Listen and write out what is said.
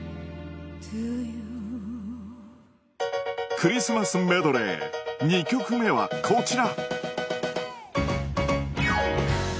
クリスマスメドレー２曲目はこちら